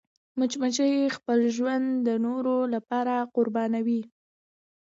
مچمچۍ خپل ژوند د نورو لپاره قربانوي